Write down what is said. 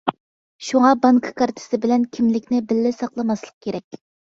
شۇڭا بانكا كارتىسى بىلەن كىملىكنى بىللە ساقلىماسلىق كېرەك.